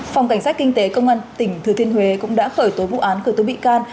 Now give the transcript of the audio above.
phòng cảnh sát kinh tế công an tỉnh thừa thiên huế cũng đã khởi tố vụ án khởi tố bị can